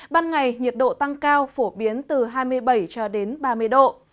ban ngày nhiệt độ tăng cao phổ biến từ hai mươi bảy ba mươi độ